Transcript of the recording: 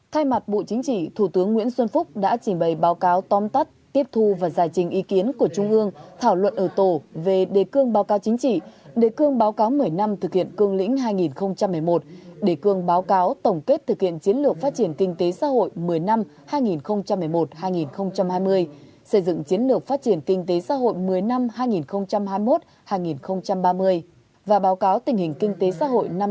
thay mặt bộ chính trị thủ tướng nguyễn xuân phúc đã chỉ bày báo cáo tóm tắt tiếp thu và giải trình ý kiến của trung ương thảo luận ở tổ về đề cương báo cáo chính trị đề cương báo cáo một mươi năm thực hiện cương lĩnh hai nghìn một mươi một đề cương báo cáo tổng kết thực hiện chiến lược phát triển kinh tế xã hội một mươi năm hai nghìn một mươi một hai nghìn hai mươi xây dựng chiến lược phát triển kinh tế xã hội một mươi năm hai nghìn hai mươi một hai nghìn ba mươi và báo cáo tình hình kinh tế xã hội năm năm hai nghìn hai mươi một hai nghìn ba mươi